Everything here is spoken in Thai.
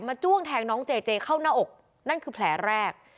จ้วงแทงน้องเจเจเข้าหน้าอกนั่นคือแผลแรก